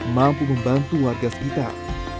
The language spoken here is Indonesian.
mampu membantu warga sekitar